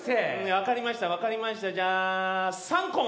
分かりました分かりましたじゃあ「さんこん」！